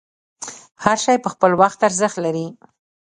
هر شی په خپل وخت ارزښت لري.